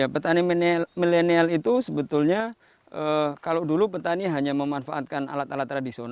petani milenial itu sebetulnya kalau dulu petani hanya memanfaatkan alat alat tradisional